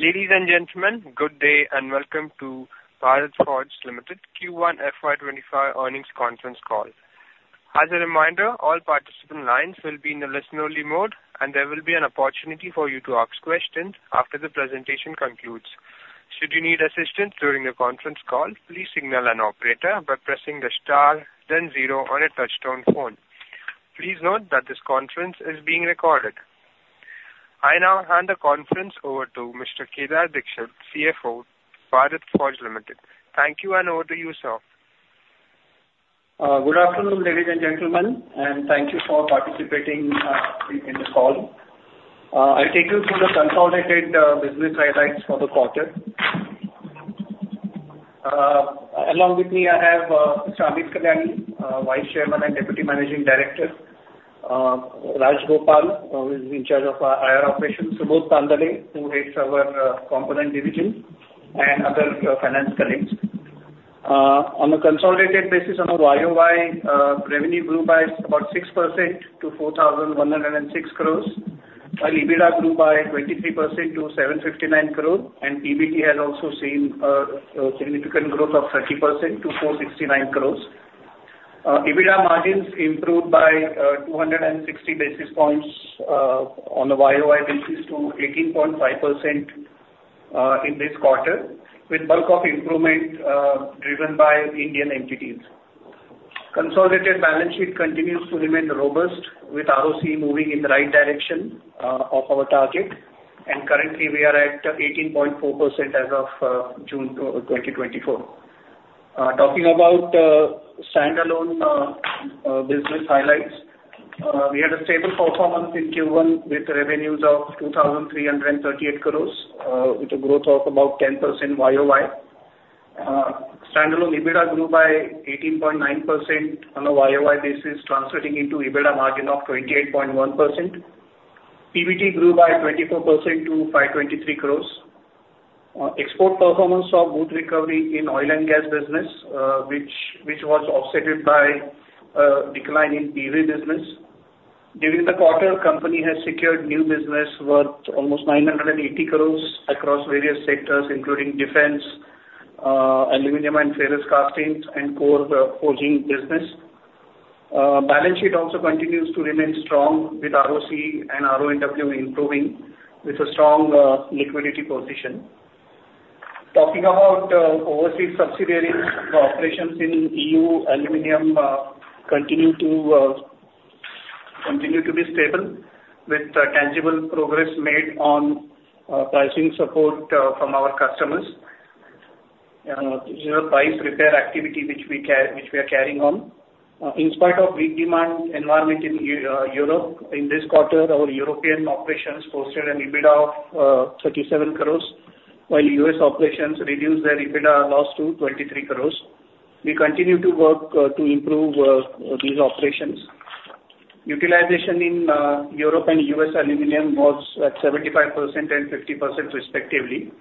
Ladies and gentlemen, good day and Welcome to Bharat Forge Limited Q1 FY 2025 Earnings Conference Call. As a reminder, all participant lines will be in a listen-only mode, and there will be an opportunity for you to ask questions after the presentation concludes. Should you need assistance during the conference call, please signal an operator by pressing the star, then zero on a touch-tone phone. Please note that this conference is being recorded. I now hand the conference over to Mr. Kedar Dixit, CFO, Bharat Forge Limited. Thank you, and over to you, sir. Good afternoon, ladies and gentlemen, and thank you for participating in the call. I'll take you through the consolidated business highlights for the quarter. Along with me, I have Mr. Amit Kalyani, Vice Chairman and Deputy Managing Director, Raj Gopal, who is in charge of IR operations, Subodh Tandale, who heads our component division, and other finance colleagues. On a consolidated basis, our ROI revenue grew by about 6% to 4,106 crores, while EBITDA grew by 23% to 759 crores, and PBT has also seen a significant growth of 30% to 469 crores. EBITDA margins improved by 260 basis points on a YoY basis to 18.5% in this quarter, with bulk of improvement driven by Indian entities. Consolidated balance sheet continues to remain robust, with ROC moving in the right direction of our target, and currently, we are at 18.4% as of June 2024. Talking about standalone business highlights, we had a stable performance in Q1 with revenues of 2,338 crores, with a growth of about 10% YoY. Standalone EBITDA grew by 18.9% on a YoY basis, translating into EBITDA margin of 28.1%. PBT grew by 24% to 523 crores. Export performance saw good recovery in oil and gas business, which was offset by a decline in PV business. During the quarter, the company has secured new business worth almost 980 crores across various sectors, including defense, aluminum and ferrous castings, and core forging business. Balance sheet also continues to remain strong, with ROC and RONW improving, with a strong liquidity position. Talking about overseas subsidiaries, the operations in EU aluminum continue to be stable, with tangible progress made on pricing support from our customers. This is a price repair activity which we are carrying on. In spite of weak demand environment in Europe, in this quarter, our European operations posted an EBITDA of 37 crore, while U.S. operations reduced their EBITDA loss to 23 crore. We continue to work to improve these operations. Utilization in Europe and U.S. aluminum was at 75% and 50%, respectively.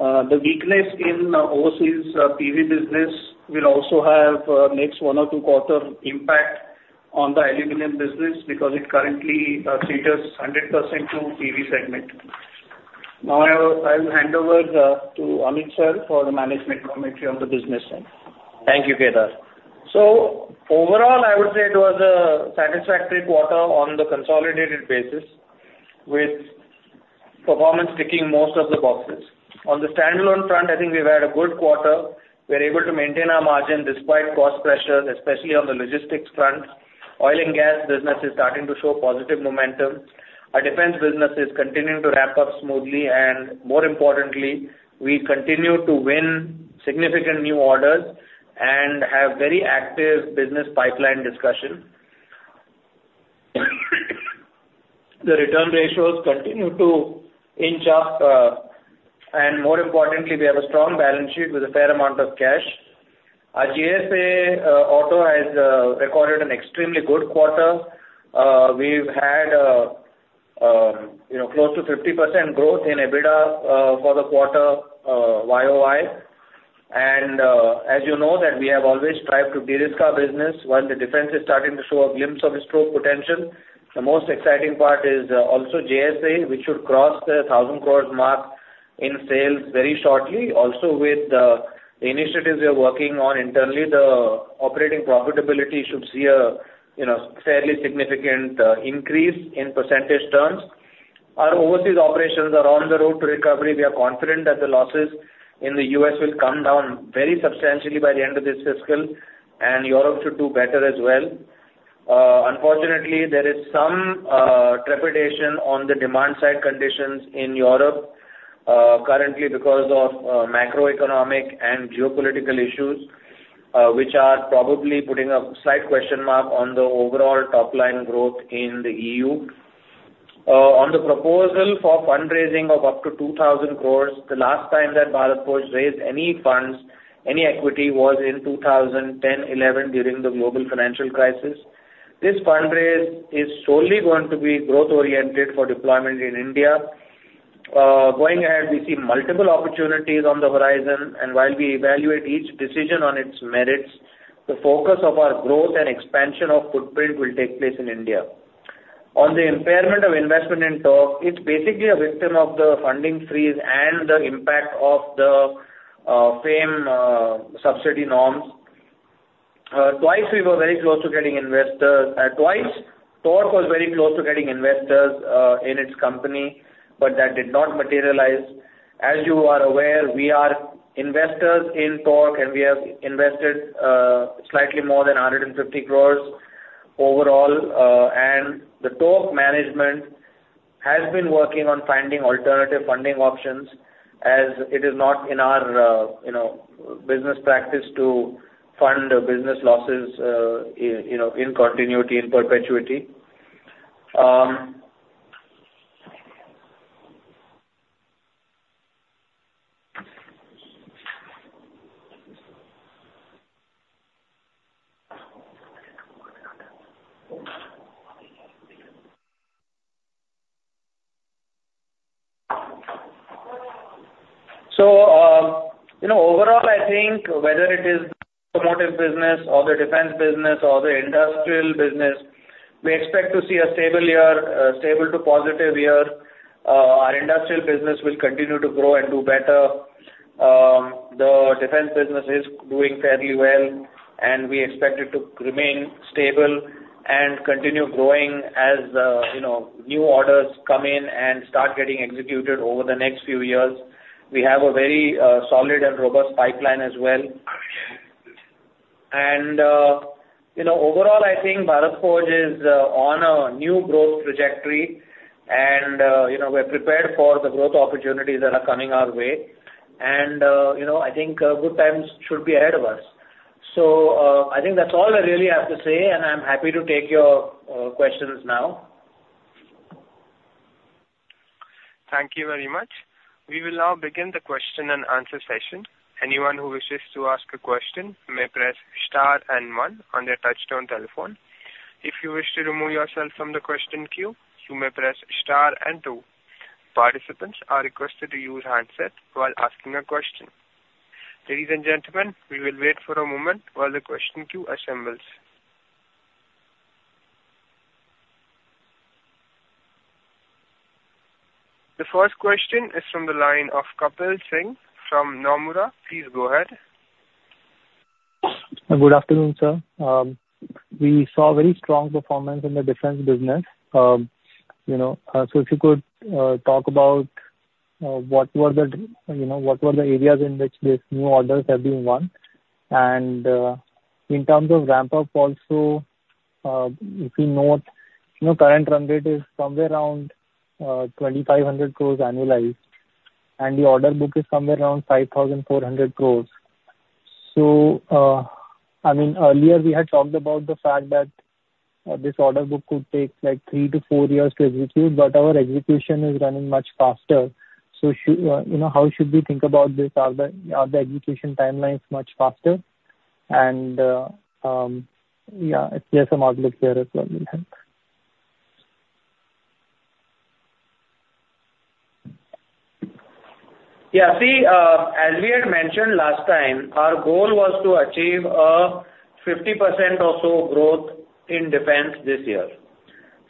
The weakness in overseas PV business will also have the next one or two quarters' impact on the aluminum business because it currently caters 100% to PV segment. Now, I will hand over to Amit Kalyani, Sir, for the management commentary on the business side. Thank you, Kedar. So overall, I would say it was a satisfactory quarter on the consolidated basis, with performance ticking most of the boxes. On the standalone front, I think we've had a good quarter. We're able to maintain our margin despite cost pressures, especially on the logistics front. Oil and gas business is starting to show positive momentum. Our defense business is continuing to ramp up smoothly, and more importantly, we continue to win significant new orders and have very active business pipeline discussion. The return ratios continue to inch up, and more importantly, we have a strong balance sheet with a fair amount of cash. Our GSA Auto has recorded an extremely good quarter. We've had close to 50% growth in EBITDA for the quarter YoY. And as you know, we have always strived to de-risk our business. While the defense is starting to show a glimpse of its growth potential, the most exciting part is also GSA, which should cross the 1,000 crore mark in sales very shortly. Also, with the initiatives we are working on internally, the operating profitability should see a fairly significant increase in percentage terms. Our overseas operations are on the road to recovery. We are confident that the losses in the U.S. will come down very substantially by the end of this fiscal, and Europe should do better as well. Unfortunately, there is some trepidation on the demand-side conditions in Europe currently because of macroeconomic and geopolitical issues, which are probably putting a slight question mark on the overall top-line growth in the EU. On the proposal for fundraising of up to 2,000 crore, the last time that Bharat Forge raised any funds, any equity, was in 2010- 2011 during the global financial crisis. This fundraise is solely going to be growth-oriented for deployment in India. Going ahead, we see multiple opportunities on the horizon, and while we evaluate each decision on its merits, the focus of our growth and expansion of footprint will take place in India. On the impairment of investment in Tork, it's basically a victim of the funding freeze and the impact of the FAME subsidy norms. Twice, we were very close to getting investors; twice, Tork was very close to getting investors in its company, but that did not materialize. As you are aware, we are investors in Tork, and we have invested slightly more than 150 crore overall, and the Tork management has been working on finding alternative funding options, as it is not in our business practice to fund business losses in continuity, in perpetuity. So overall, I think whether it is the automotive business or the defense business or the industrial business, we expect to see a stable year, a stable to positive year. Our industrial business will continue to grow and do better. The defense business is doing fairly well, and we expect it to remain stable and continue growing as new orders come in and start getting executed over the next few years. We have a very solid and robust pipeline as well. Overall, I think Bharat Forge is on a new growth trajectory, and we're prepared for the growth opportunities that are coming our way. I think good times should be ahead of us. I think that's all I really have to say, and I'm happy to take your questions now. Thank you very much. We will now begin the question and answer session. Anyone who wishes to ask a question may press star and one on their touch-tone telephone. If you wish to remove yourself from the question queue, you may press star and two. Participants are requested to use handset while asking a question. Ladies and gentlemen, we will wait for a moment while the question queue assembles. The first question is from the line of Kapil Singh from Nomura. Please go ahead. Good afternoon, sir. We saw a very strong performance in the defense business. So if you could talk about what were the areas in which these new orders have been won? And in terms of ramp-up, also, if you note, current run rate is somewhere around 2,500 crores annualized, and the order book is somewhere around 5,400 crores. So I mean, earlier, we had talked about the fact that this order book could take like three to four years to execute, but our execution is running much faster. So how should we think about this? Are the execution timelines much faster? And yeah, I guess a model here as well will help. Yeah, see, as we had mentioned last time, our goal was to achieve a 50% or so growth in defense this year.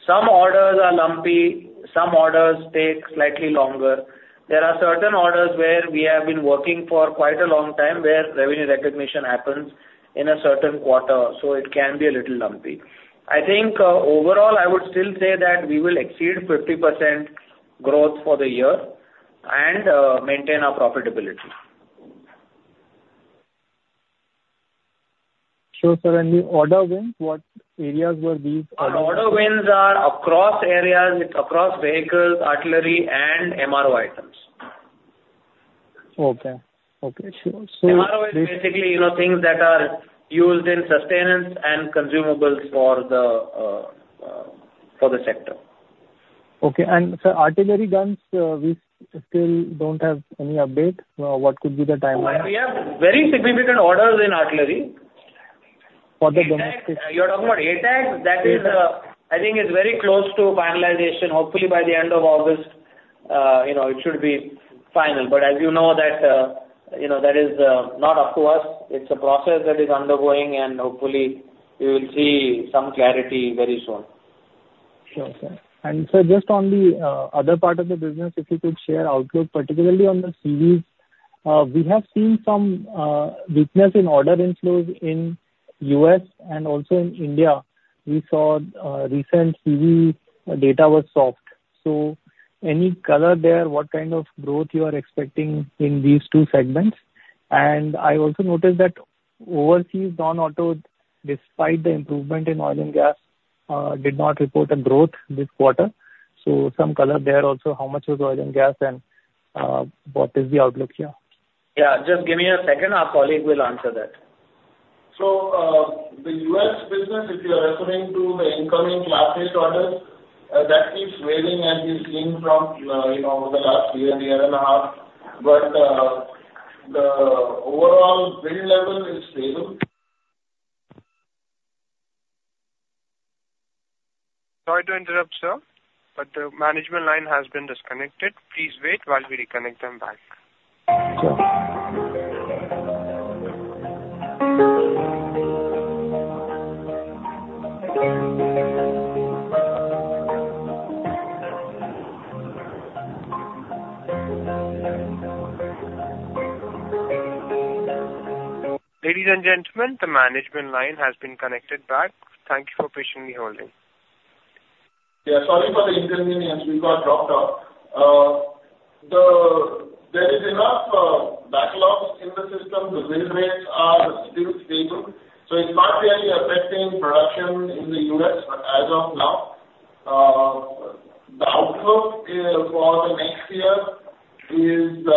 Some orders are lumpy. Some orders take slightly longer. There are certain orders where we have been working for quite a long time where revenue recognition happens in a certain quarter, so it can be a little lumpy. I think overall, I would still say that we will exceed 50% growth for the year and maintain our profitability. Sure, sir. And the order wins, what areas were these order wins? Order wins are across areas, across vehicles, artillery, and MRO items. Okay. Okay. Sure. MRO is basically things that are used in sustenance and consumables for the sector. Okay. Sir, artillery guns, we still don't have any update. What could be the timeline? We have very significant orders in artillery. For the domestic? You're talking about ATAGS? That is, I think it's very close to finalization. Hopefully, by the end of August, it should be final. But as you know, that is not up to us. It's a process that is undergoing, and hopefully, we will see some clarity very soon. Sure, sir. Sir, just on the other part of the business, if you could share outlook, particularly on the CVs. We have seen some weakness in order inflows in the U.S. and also in India. We saw recent CV data was soft. Any color there? What kind of growth you are expecting in these two segments? And I also noticed that overseas non-auto, despite the improvement in oil and gas, did not report a growth this quarter. Some color there also, how much was oil and gas, and what is the outlook here? Yeah, just give me a second. Our colleague will answer that. So the U.S. business, if you're referring to the incoming Class eight orders, that keeps scaling as we've seen from the last year, year and a half. But the overall build level is stable. Sorry to interrupt, sir, but the management line has been disconnected. Please wait while we reconnect them back. Ladies and gentlemen, the management line has been connected back. Thank you for patiently holding. Yeah, sorry for the interference. We got dropped off. There is enough backlog in the system. The build rates are still stable. So it's not really affecting production in the U.S. as of now. The outlook for the next year is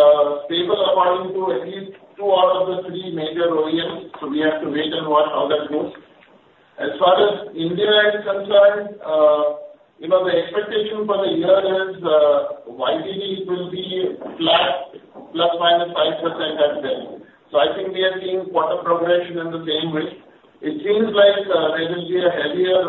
stable according to at least two out of the three major OEMs. So we have to wait and watch how that goes. As far as India is concerned, the expectation for the year is YTD will be flat ±5% at best. So I think we are seeing quarter progression in the same way. It seems like there will be a heavier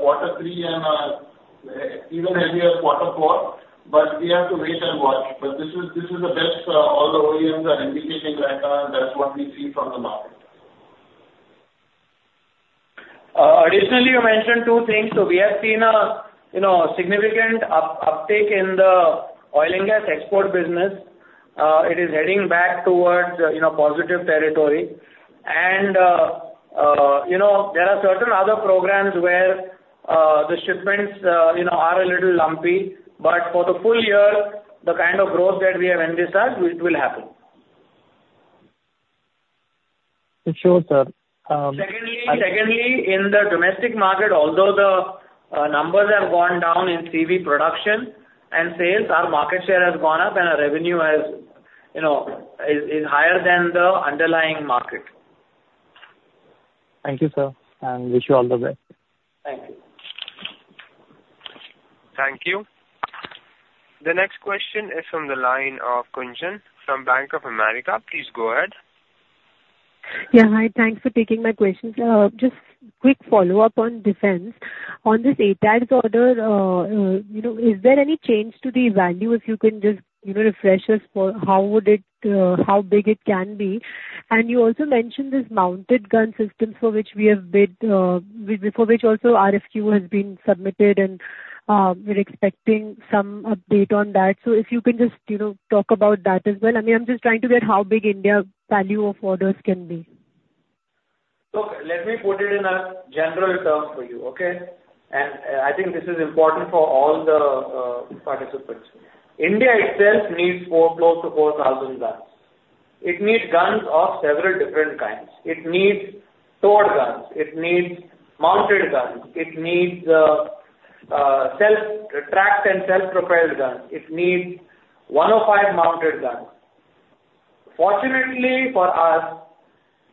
quarter three and even heavier quarter four, but we have to wait and watch. But this is the best all the OEMs are indicating right now, and that's what we see from the market. Additionally, you mentioned two things. So we have seen a significant uptake in the oil and gas export business. It is heading back towards positive territory. And there are certain other programs where the shipments are a little lumpy. But for the full year, the kind of growth that we have envisioned, it will happen. Sure, sir. Secondly, in the domestic market, although the numbers have gone down in CV production and sales, our market share has gone up, and our revenue is higher than the underlying market. Thank you, sir, and wish you all the best. Thank you. Thank you. The next question is from the line of Kunjan from Bank of America. Please go ahead. Yeah, hi. Thanks for taking my question. Just quick follow-up on defense. On this ATAGS order, is there any change to the value? If you can just refresh us how big it can be. And you also mentioned this mounted gun system for which we have bid, for which also RFQ has been submitted, and we're expecting some update on that. So if you can just talk about that as well. I mean, I'm just trying to get how big in the value of orders can be. Look, let me put it in a general term for you, okay? I think this is important for all the participants. India itself needs close to 4,000 guns. It needs guns of several different kinds. It needs towed guns. It needs mounted guns. It needs self-tracked and self-propelled guns. It needs 105 mounted guns. Fortunately for us,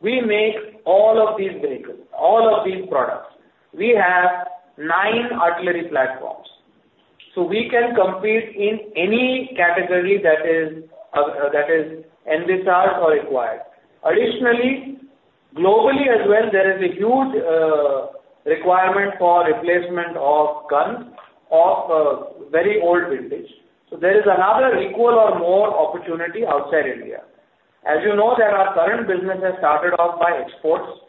we make all of these vehicles, all of these products. We have nine artillery platforms. We can compete in any category that is envisaged or required. Additionally, globally as well, there is a huge requirement for replacement of guns of very old vintage. There is another equal or more opportunity outside India. As you know, our current business has started off by exports,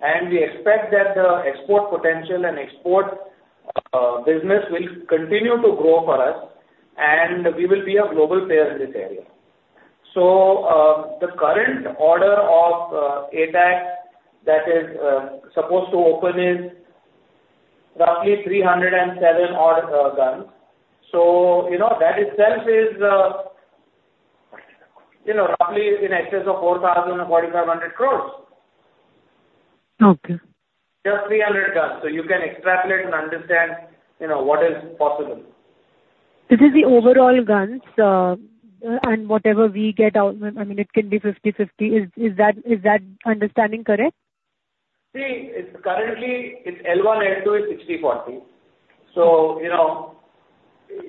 and we expect that the export potential and export business will continue to grow for us, and we will be a global player in this area. The current order of ATAGS that is supposed to open is roughly 307 guns. That itself is roughly in excess of 4,000 crore-4,500 crore. Okay. Just 300 guns. So you can extrapolate and understand what is possible. This is the overall guns, and whatever we get out, I mean, it can be 50/50. Is that understanding correct? See, currently, it's L1, L2 is 60/40.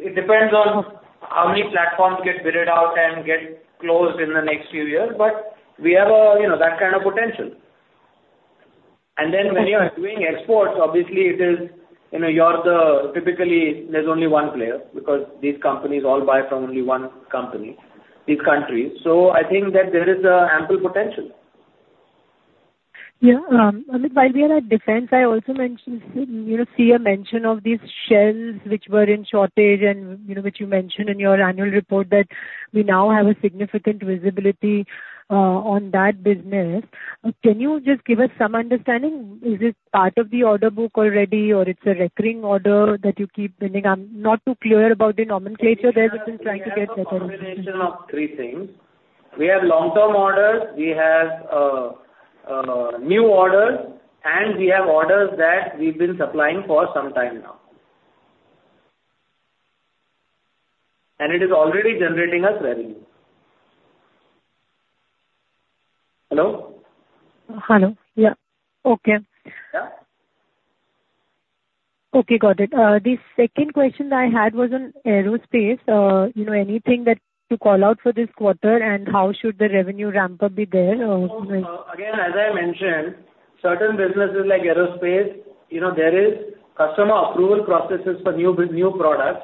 It depends on how many platforms get bid out and get closed in the next few years, but we have that kind of potential. Then when you are doing exports, obviously, you're typically, there's only one player because these companies all buy from only one company, these countries. I think that there is ample potential. Yeah. I mean, while we are at defense, I also mentioned you see a mention of these shells which were in shortage, and which you mentioned in your annual report that we now have a significant visibility on that business. Can you just give us some understanding? Is it part of the order book already, or it's a recurring order that you keep winning? I'm not too clear about the nomenclature there, but I'm trying to get better information. It's a combination of three things. We have long-term orders. We have new orders, and we have orders that we've been supplying for some time now. It is already generating us revenue. Hello? Hello. Yeah. Okay. Yeah? Okay. Got it. The second question I had was on aerospace. Anything that to call out for this quarter, and how should the revenue ramp-up be there? So again, as I mentioned, certain businesses like aerospace, there is customer approval processes for new products.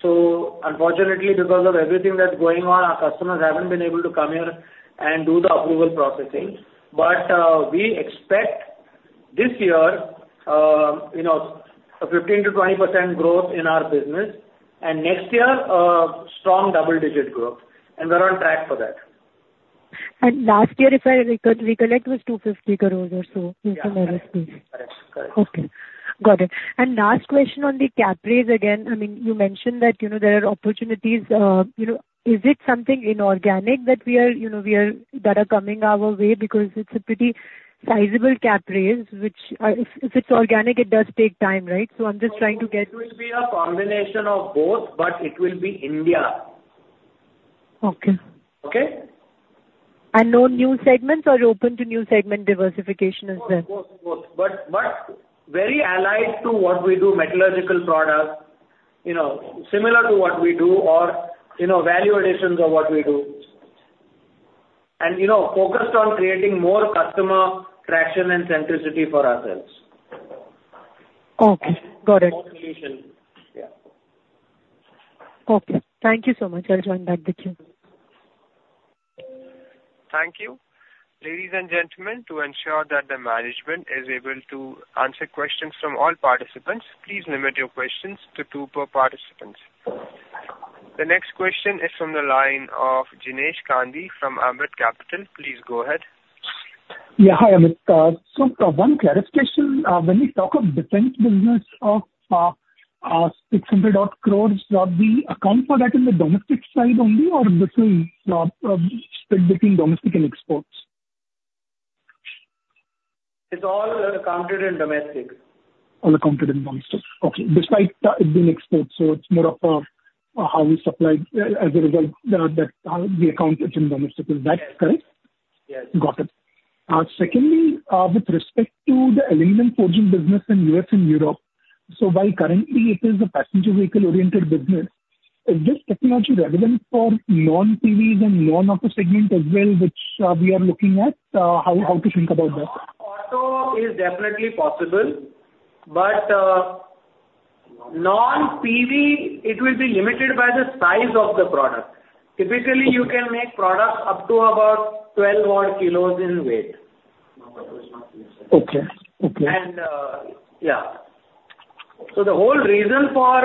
So unfortunately, because of everything that's going on, our customers haven't been able to come here and do the approval processing. But we expect this year a 15%-20% growth in our business, and next year, a strong double-digit growth. And we're on track for that. Last year, if I recollect, it was 250 crore or so in aerospace. Correct. Correct. Okay. Got it. And last question on the cap raise again. I mean, you mentioned that there are opportunities. Is it something inorganic that are coming our way? Because it's a pretty sizable cap raise, which if it's organic, it does take time, right? So I'm just trying to get. It will be a combination of both, but it will be India. Okay. Okay? No new segments or open to new segment diversification as well? Of course, of course. But very aligned to what we do, metallurgical products, similar to what we do, or value additions of what we do. And focused on creating more customer traction and centricity for ourselves. Okay. Got it. More solution. Yeah. Okay. Thank you so much. I'll join back the queue. Thank you. Ladies and gentlemen, to ensure that the management is able to answer questions from all participants, please limit your questions to two per participant. The next question is from the line of Jignesh Gandhi from Ambit Capital. Please go ahead. Yeah. Hi, Amit. So for one clarification, when we talk of defense business of 600-odd crore, does the account for that in the domestic side only, or this is split between domestic and exports? It's all accounted in domestic. All accounted in domestic. Okay. Despite being exports, so it's more of a how we supply as a result that the account is in domestic. Is that correct? Yes. Got it. Secondly, with respect to the aluminum forging business in the U.S. and Europe, so while currently it is a passenger vehicle-oriented business, is this technology relevant for non-PVs and non-auto segment as well, which we are looking at? How to think about that? Auto is definitely possible, but non-PV, it will be limited by the size of the product. Typically, you can make products up to about 12-odd kilos in weight. Okay. Okay. Yeah. So the whole reason for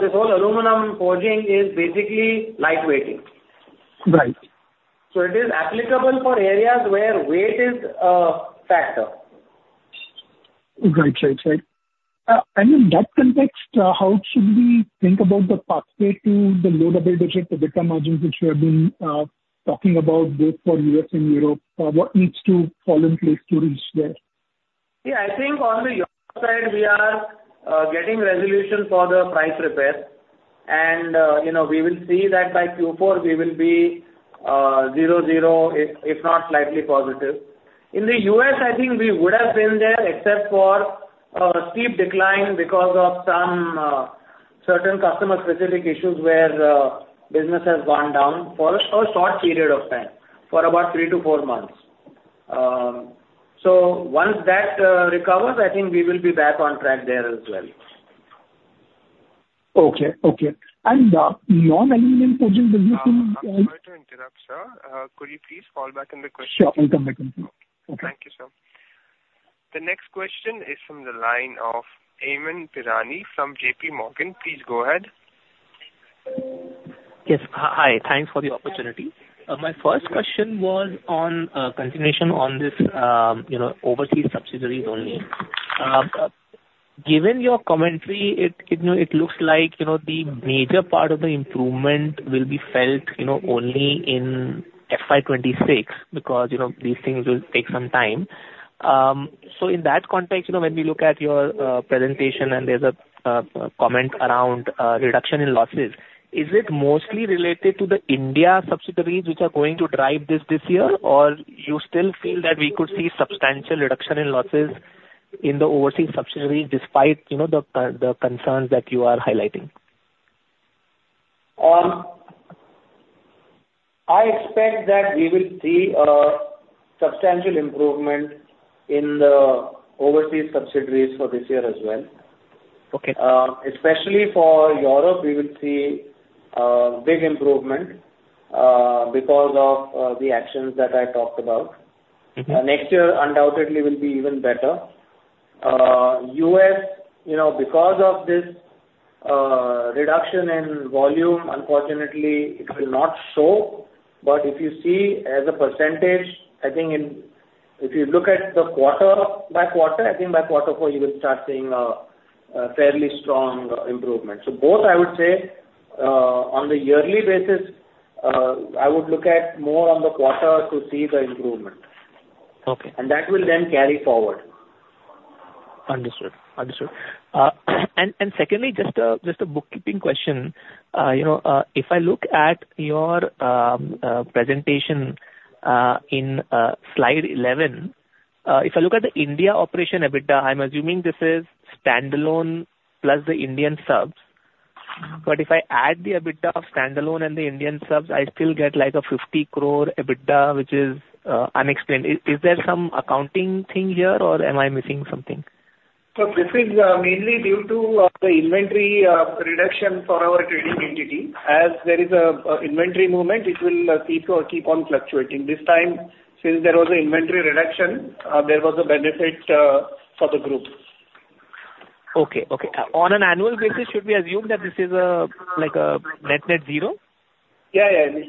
this whole aluminum forging is basically lightweighting. Right. So it is applicable for areas where weight is a factor. Right, right, right. In that context, how should we think about the pathway to the low-double-digit to become margins which you have been talking about, both for U.S. and Europe? What needs to fall in place to reach there? Yeah. I think on the U.S. side, we are getting resolution for the price repair. We will see that by Q4, we will be zero, zero, if not slightly positive. In the U.S., I think we would have been there, except for a steep decline because of some certain customer-specific issues where business has gone down for a short period of time, for about three to four months. Once that recovers, I think we will be back on track there as well. Okay. Okay. And the non-aluminum forging business in. I'm sorry to interrupt, sir. Could you please fall back in the question? Sure. I'll come back in. Okay. Thank you, sir. The next question is from the line of Amyn Pirani from JP Morgan. Please go ahead. Yes. Hi. Thanks for the opportunity. My first question was on continuation on this overseas subsidiaries only. Given your commentary, it looks like the major part of the improvement will be felt only in FY 2026 because these things will take some time. So in that context, when we look at your presentation and there's a comment around reduction in losses, is it mostly related to the India subsidiaries which are going to drive this year, or you still feel that we could see substantial reduction in losses in the overseas subsidiaries despite the concerns that you are highlighting? I expect that we will see a substantial improvement in the overseas subsidiaries for this year as well. Okay. Especially for Europe, we will see a big improvement because of the actions that I talked about. Next year, undoubtedly, will be even better. U.S., because of this reduction in volume, unfortunately, it will not show. But if you see as a percentage, I think if you look at the quarter by quarter, I think by quarter four, you will start seeing a fairly strong improvement. So both, I would say, on the yearly basis, I would look at more on the quarter to see the improvement. Okay. And that will then carry forward. Understood. Understood. Secondly, just a bookkeeping question. If I look at your presentation in slide 11, if I look at the India operation EBITDA, I'm assuming this is standalone plus the Indian subs. But if I add the EBITDA of standalone and the Indian subs, I still get like a 50 crore EBITDA, which is unexplained. Is there some accounting thing here, or am I missing something? This is mainly due to the inventory reduction for our trading entity. As there is an inventory movement, it will keep on fluctuating. This time, since there was an inventory reduction, there was a benefit for the group. Okay. Okay. On an annual basis, should we assume that this is a net-net zero? Yeah, yeah, yeah.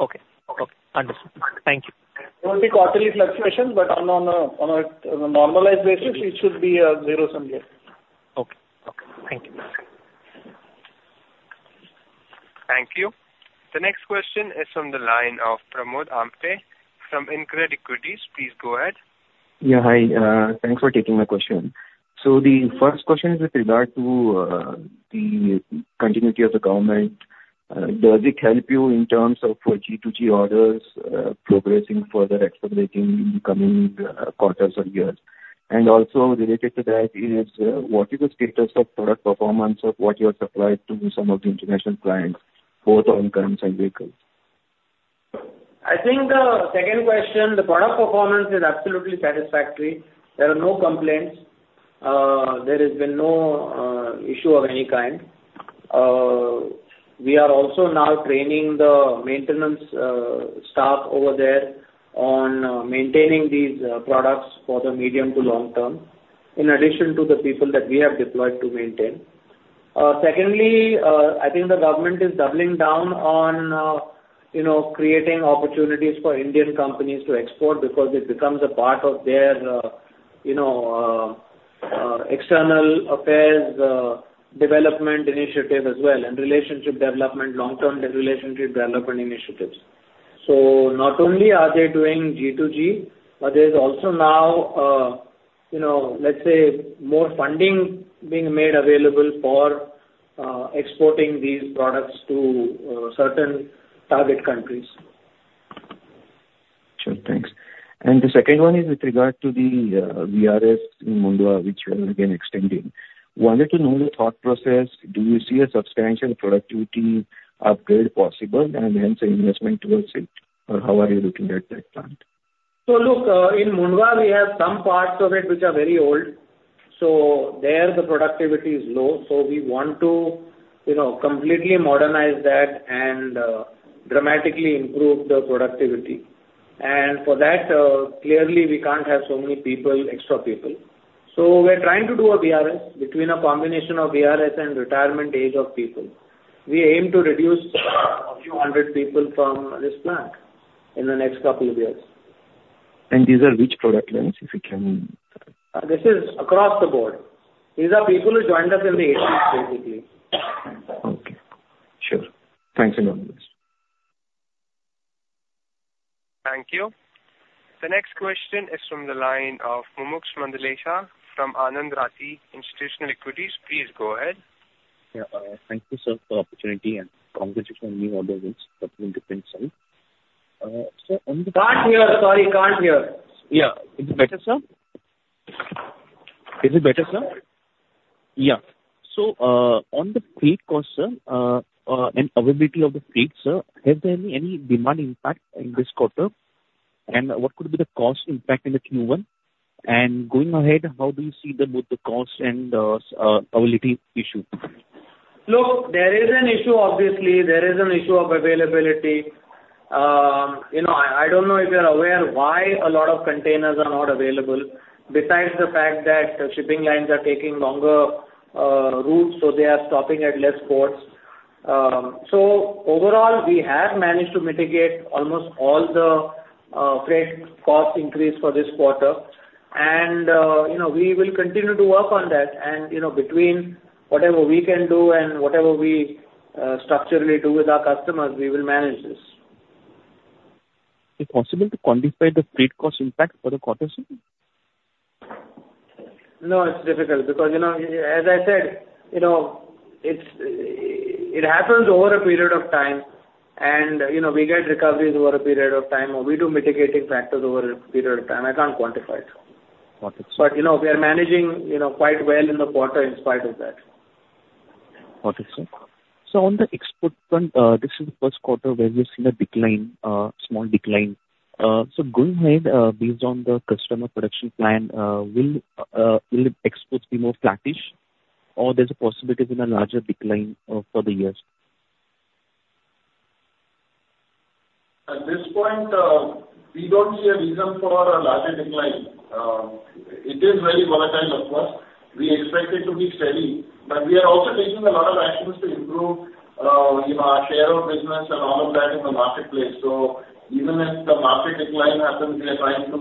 Okay. Okay. Understood. Thank you. It will be quarterly fluctuations, but on a normalized basis, it should be zero someday. Okay. Okay. Thank you. Thank you. The next question is from the line of Pramod Amthe from InCred Equities. Please go ahead. Yeah. Hi. Thanks for taking my question. So the first question is with regard to the continuity of the government. Does it help you in terms of G2G orders progressing further, accelerating in the coming quarters or years? And also related to that is, what is the status of product performance of what you have supplied to some of the international clients, both on guns and vehicles? I think the second question, the product performance is absolutely satisfactory. There are no complaints. There has been no issue of any kind. We are also now training the maintenance staff over there on maintaining these products for the medium to long term, in addition to the people that we have deployed to maintain. Secondly, I think the government is doubling down on creating opportunities for Indian companies to export because it becomes a part of their external affairs development initiative as well, and relationship development, long-term relationship development initiatives. So not only are they doing G2G, but there is also now, let's say, more funding being made available for exporting these products to certain target countries. Sure. Thanks. And the second one is with regard to the VRS in Mundhwa, which we are again extending. Wanted to know the thought process. Do you see a substantial productivity upgrade possible and hence an investment towards it? Or how are you looking at that plan? So look, in Mundhwa, we have some parts of it which are very old. So there, the productivity is low. So we want to completely modernize that and dramatically improve the productivity. And for that, clearly, we can't have so many people, extra people. So we're trying to do a VRS between a combination of VRS and retirement age of people. We aim to reduce a few hundred people from this plant in the next couple of years. These are which product lines, if you can? This is across the board. These are people who joined us in the 1980s, basically. Okay. Sure. Thanks a lot, Amit. Thank you. The next question is from the line of Mumuksh Mandlesha from Anand Rathi, Institutional Equities. Please go ahead. Yeah. Thank you, sir, for the opportunity. And congratulations on the new order that you've just been sent. So on the. Can't hear. Sorry, can't hear. Yeah. Is it better, sir? Is it better, sir? Yeah. So on the freight cost, sir, and availability of the freight, sir, has there been any demand impact in this quarter? And what could be the cost impact in the Q1? And going ahead, how do you see both the cost and availability issue? Look, there is an issue, obviously. There is an issue of availability. I don't know if you're aware why a lot of containers are not available, besides the fact that shipping lines are taking longer routes, so they are stopping at less ports. So overall, we have managed to mitigate almost all the freight cost increase for this quarter. And we will continue to work on that. And between whatever we can do and whatever we structurally do with our customers, we will manage this. Is it possible to quantify the freight cost impact for the quarter, sir? No, it's difficult. Because, as I said, it happens over a period of time, and we get recoveries over a period of time, or we do mitigating factors over a period of time. I can't quantify it. Got it, sir. But we are managing quite well in the quarter in spite of that. Got it, sir. So on the export front, this is the first quarter where we've seen a decline, a small decline. So going ahead, based on the customer production plan, will exports be more flattish, or there's a possibility of a larger decline for the years? At this point, we don't see a reason for a larger decline. It is very volatile, of course. We expect it to be steady. But we are also taking a lot of actions to improve our share of business and all of that in the marketplace. So even if the market decline happens, we are trying to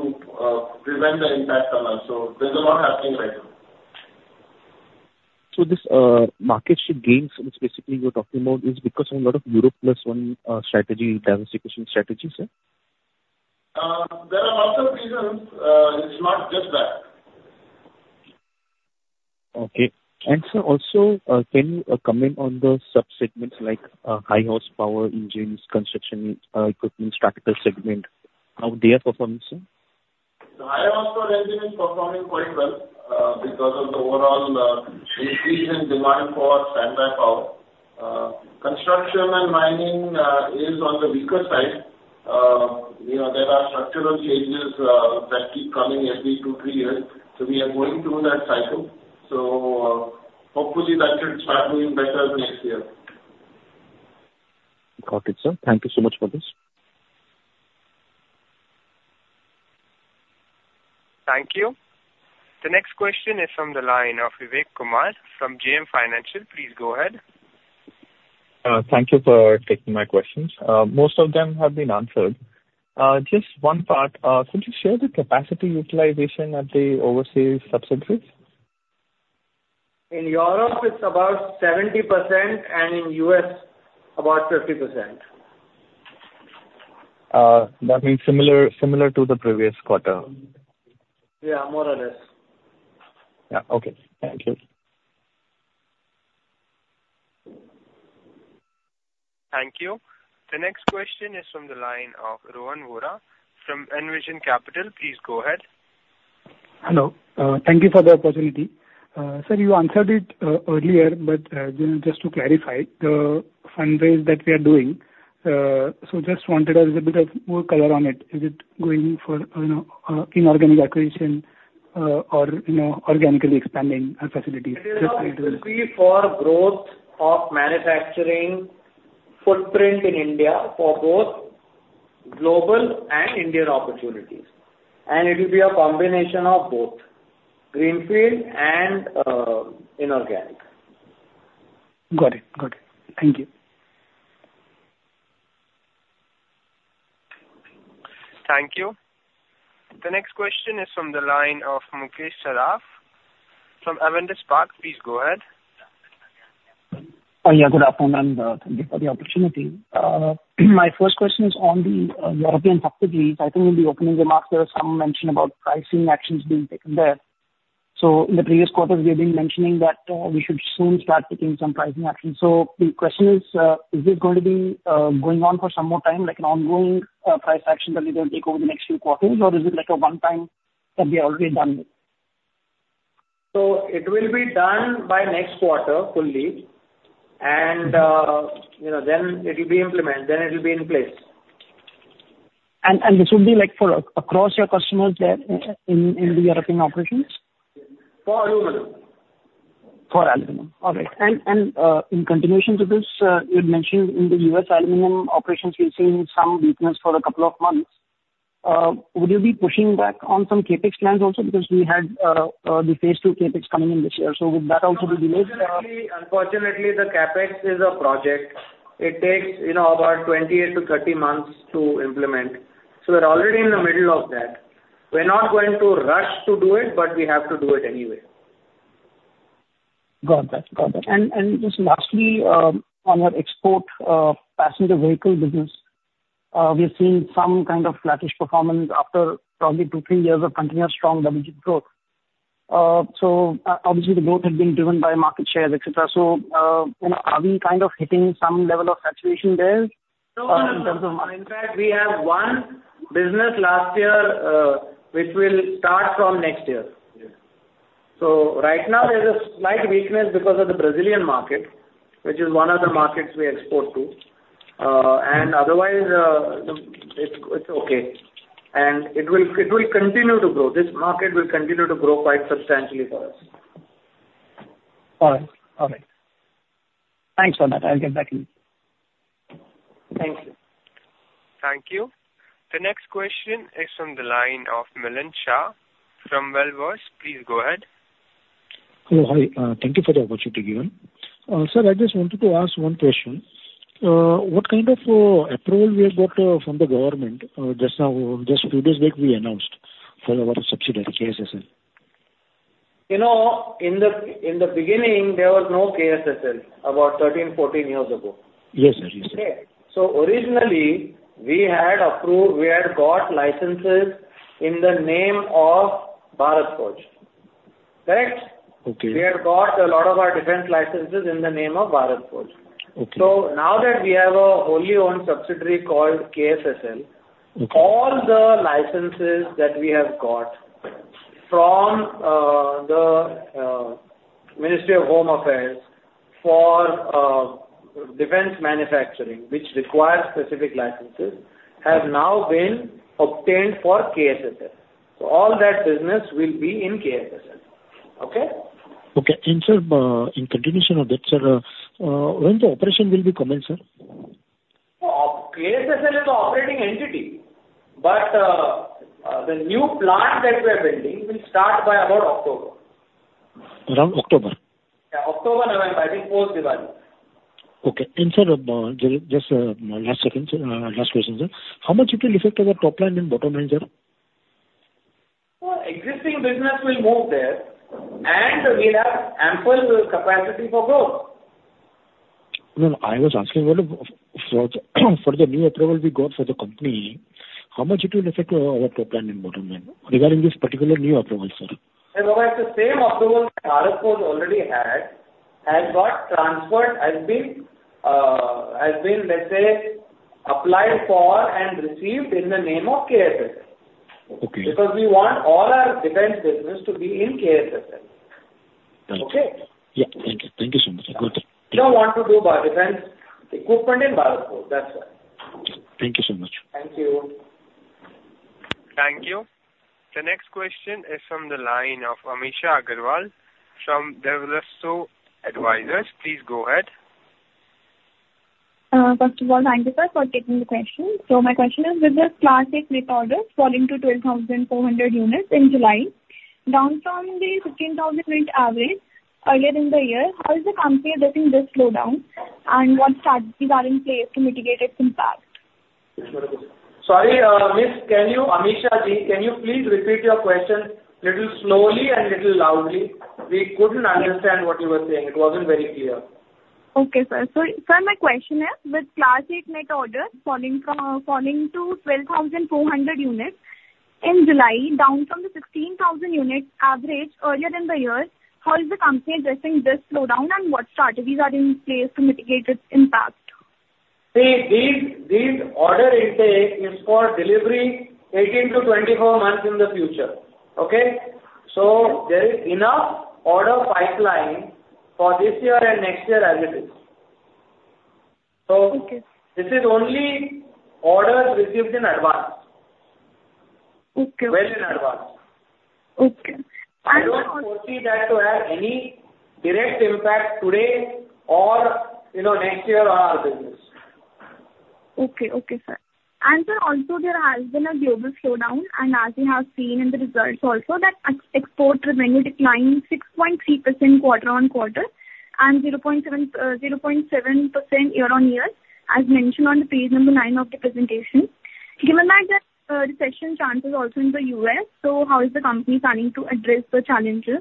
prevent the impact on us. So there's a lot happening right now. This market shift gains that's basically you're talking about is because of a lot of Europe-plus-one strategy, diversification strategies, sir? There are lots of reasons. It's not just that. Okay. And sir, also, can you comment on the subsegments like high-horsepower engines, construction equipment, static segment, how they are performing, sir? The high-horsepower engine is performing quite well because of the overall increase in demand for standby power. Construction and mining is on the weaker side. There are structural changes that keep coming every two, three years. So we are going through that cycle. So hopefully, that should start doing better next year. Got it, sir. Thank you so much for this. Thank you. The next question is from the line of Vivek Kumar from JM Financial. Please go ahead. Thank you for taking my questions. Most of them have been answered. Just one part. Could you share the capacity utilization at the overseas subsidiaries? In Europe, it's about 70%, and in U.S., about 50%. That means similar to the previous quarter? Yeah, more or less. Yeah. Okay. Thank you. Thank you. The next question is from the line of Rohan Vora from Envision Capital. Please go ahead. Hello. Thank you for the opportunity. Sir, you answered it earlier, but just to clarify, the fundraise that we are doing, so just wanted a little bit of more color on it. Is it going for inorganic acquisition or organically expanding facilities? It will be for growth of manufacturing footprint in India for both global and Indian opportunities. It will be a combination of both greenfield and inorganic. Got it. Got it. Thank you. Thank you. The next question is from the line of Mukesh Saraf from Avendus Spark. Please go ahead. Yeah. Good afternoon, and thank you for the opportunity. My first question is on the European subsidiaries. I think in the opening remarks, there was some mention about pricing actions being taken there. So in the previous quarter, we have been mentioning that we should soon start taking some pricing actions. So the question is, is this going to be going on for some more time, like an ongoing price action that we're going to take over the next few quarters, or is it like a one-time that we are already done with? It will be done by next quarter fully, and then it will be implemented. It will be in place. This would be across your customers there in the European operations? For aluminum. For aluminum. All right. In continuation to this, you had mentioned in the U.S., aluminum operations were seeing some weakness for a couple of months. Would you be pushing back on some CapEx plans also because we had the phase two CapEx coming in this year? So would that also be delayed? Unfortunately, the CapEx is a project. It takes about 28-30 months to implement. We're already in the middle of that. We're not going to rush to do it, but we have to do it anyway. Got it. Got it. And just lastly, on your export passenger vehicle business, we have seen some kind of flattish performance after probably two, three years of continuous strong YoY growth. So obviously, the growth has been driven by market shares, etc. So are we kind of hitting some level of saturation there in terms of market? In fact, we have one business last year which will start from next year. Right now, there's a slight weakness because of the Brazilian market, which is one of the markets we export to. Otherwise, it's okay. It will continue to grow. This market will continue to grow quite substantially for us. All right. All right. Thanks for that. I'll get back to you. Thank you. Thank you. The next question is from the line of Milen Shah from Wellverse. Please go ahead. Hello. Hi. Thank you for the opportunity given. Sir, I just wanted to ask one question. What kind of approval we have got from the government just now, just a few days back, we announced for our subsidiary KSSL? In the beginning, there was no KSSL about 13, 14 years ago. Yes, sir. Yes, sir. Okay. Originally, we had got licenses in the name of Bharat Forge. Correct? Okay. We had got a lot of our different licenses in the name of Bharat Forge. Okay. So now that we have a wholly owned subsidiary called KSSL, all the licenses that we have got from the Ministry of Home Affairs for defense manufacturing, which requires specific licenses, have now been obtained for KSSL. So all that business will be in KSSL. Okay? Okay. In continuation of that, sir, when the operation will be commenced, sir? KSSL is an operating entity, but the new plant that we are building will start by about October. Around October? Yeah. October, November. I think post-Diwali. Okay. And sir, just last second, last question, sir. How much it will affect our top line and bottom line, sir? Existing business will move there, and we'll have ample capacity for growth. No, no. I was asking for the new approval we got for the company, how much it will affect our top line and bottom line regarding this particular new approval, sir? It's the same approval that Bharat Forge already had, has got transferred, has been, let's say, applied for and received in the name of KSSL. Okay. Because we want all our defense business to be in KSSL. Got it. Okay? Yeah. Thank you. Thank you so much. Good. We don't want to do defense equipment in Bharat Forge. That's why. Okay. Thank you so much. Thank you. Thank you. The next question is from the line of Amisha Agarwal from Devrsto Advisors. Please go ahead. First of all, thank you, sir, for taking the question. So my question is, with this Class eight order falling to 12,400 units in July, down from the 15,000 unit average earlier in the year, how is the company addressing this slowdown, and what strategies are in place to mitigate its impact? Sorry, Miss. Can you, Amisha Ji, can you please repeat your question a little slowly and a little loudly? We couldn't understand what you were saying. It wasn't very clear. Okay, sir. So my question is, with Class 8 order falling to 12,400 units in July, down from the 16,000 unit average earlier in the year, how is the company addressing this slowdown, and what strategies are in place to mitigate its impact? See, this order intake is for delivery 18-24 months in the future. Okay? So there is enough order pipeline for this year and next year as it is. So this is only orders received in advance, well in advance. Okay. I don't foresee that to have any direct impact today or next year on our business. Okay. Okay, sir. And sir, also, there has been a global slowdown, and as we have seen in the results also, that export revenue declined 6.3% quarter-on-quarter and 0.7% year-on-year, as mentioned on page number 9 of the presentation. Given that there are recession chances also in the U.S., so how is the company planning to address the challenges?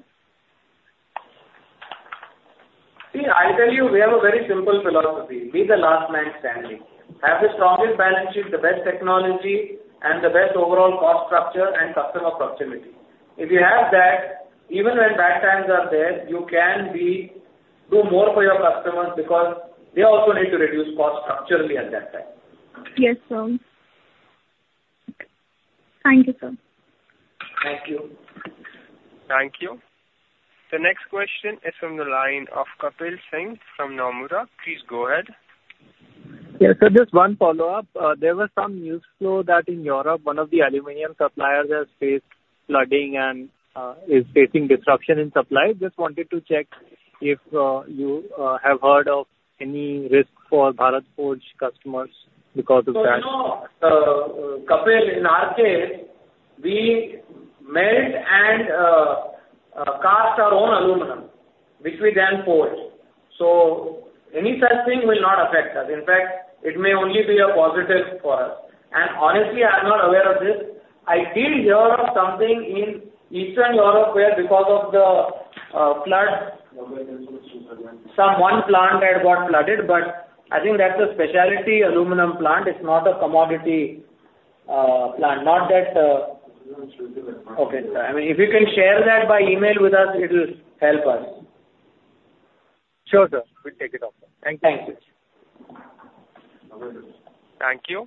See, I'll tell you, we have a very simple philosophy. Be the last man standing. Have the strongest balance sheet, the best technology, and the best overall cost structure and customer proximity. If you have that, even when bad times are there, you can do more for your customers because they also need to reduce costs structurally at that time. Yes, sir. Thank you, sir. Thank you. Thank you. The next question is from the line of Kapil Singh from Nomura. Please go ahead. Yes, sir, just one follow-up. There was some news flow that in Europe, one of the aluminum suppliers has faced flooding and is facing disruption in supply. Just wanted to check if you have heard of any risk for Bharat Forge customers because of that. No, no. Kapil, in our case, we melt and cast our own aluminum, which we then forge. So any such thing will not affect us. In fact, it may only be a positive for us. And honestly, I'm not aware of this. I did hear of something in Eastern Europe where, because of the flood, some plant had got flooded, but I think that's a specialty aluminum plant. It's not a commodity plant. Not that. Okay. I mean, if you can share that by email with us, it will help us. Sure, sir. We'll take it off. Thank you. Thank you. Thank you.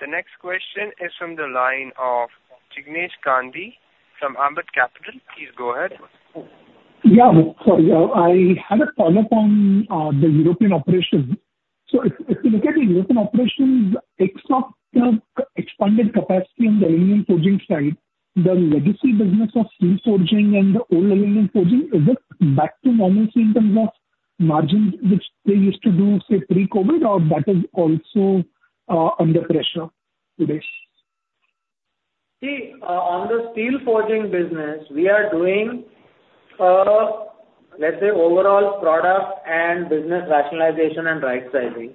The next question is from the line of Jignesh Gandhi from Ambit Capital. Please go ahead. Yeah. Sorry. I had a follow-up on the European operations. So if you look at the European operations, they've expanded capacity on the aluminum forging side, the legacy business of steel forging and the old aluminum forging, is it back to normalcy in terms of margins which they used to do, say, pre-COVID, or that is also under pressure today? See, on the steel forging business, we are doing, let's say, overall product and business rationalization and right-sizing.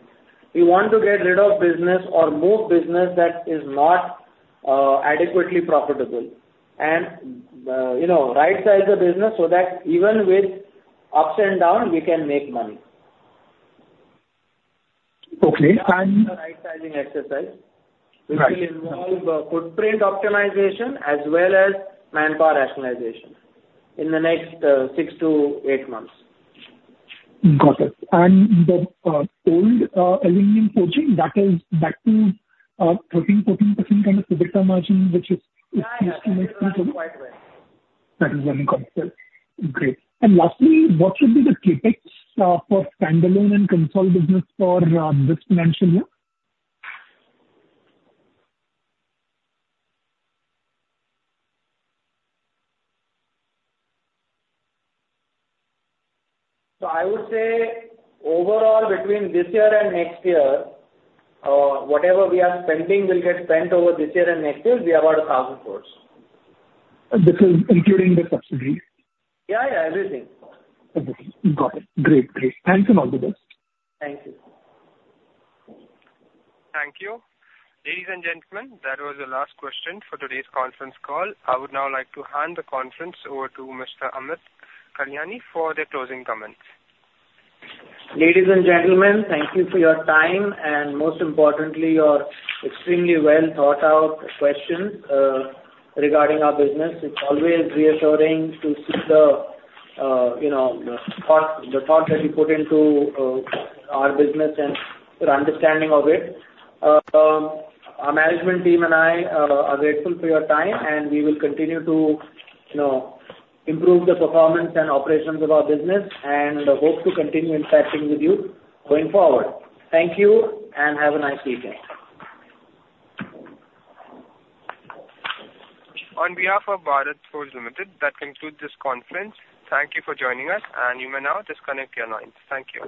We want to get rid of business or move business that is not adequately profitable and right-size the business so that even with ups and downs, we can make money. Okay. And. That's the right-sizing exercise. It will involve footprint optimization as well as manpower rationalization in the next six to eight months. Got it. And the old aluminum forging, that is back to 13%-14% kind of EBITDA margin, which is still quite high. That is what we call it, sir. Great. And lastly, what should be the CapEx for Standalone and Consolidated business for this financial year? So I would say overall, between this year and next year, whatever we are spending will get spent over this year and next year, be about 1,000 crore. This is including the subsidy? Yeah, yeah. Everything. Everything. Got it. Great. Great. Thanks, and all the best. Thank you. Thank you. Ladies and gentlemen, that was the last question for today's conference call. I would now like to hand the conference over to Mr. Amit Kalyani for the closing comments. Ladies and gentlemen, thank you for your time, and most importantly, your extremely well-thought-out questions regarding our business. It's always reassuring to see the thought that you put into our business and your understanding of it. Our management team and I are grateful for your time, and we will continue to improve the performance and operations of our business and hope to continue interacting with you going forward. Thank you, and have a nice weekend. On behalf of Bharat Forge Limited, that concludes this conference. Thank you for joining us, and you may now disconnect your lines. Thank you.